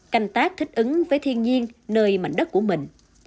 canh tác thích ứng với thiên nhiên nơi mảnh đất của mình